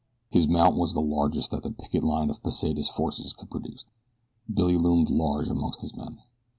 His mount was the largest that the picket line of Pesita's forces could produce. Billy loomed large amongst his men.